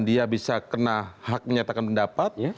dia bisa kena hak menyatakan pendapat